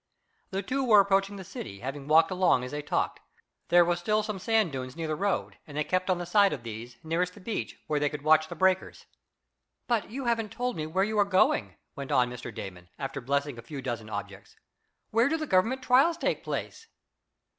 The two were approaching the city, having walked along as they talked. There were still some sand dunes near the road, and they kept on the side of these, nearest the beach, where they could watch the breakers. "But you haven't told me where you are going," went on Mr. Damon, after blessing a few dozen objects. "Where do the Government trials take place?"